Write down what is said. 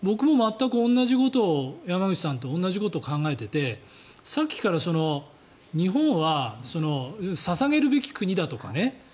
僕も山口さんと全く同じことを考えていてさっきから日本は捧げるべき国だとかね